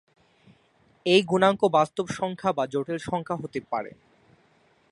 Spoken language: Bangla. এই গুণাঙ্ক বাস্তব সংখ্যা বা জটিল সংখ্যা হতে পারে।